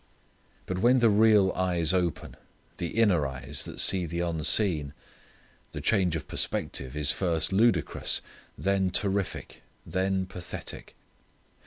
But when the real eyes open, the inner eyes that see the unseen, the change of perspective is first ludicrous, then terrific, then pathetic.